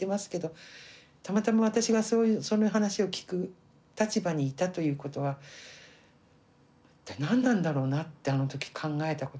たまたま私がそういうその話を聞く立場にいたということは一体何なんだろうなってあの時考えたことがありますね。